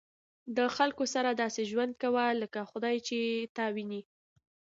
د خلکو سره داسې ژوند کوه لکه خدای چې تا ویني.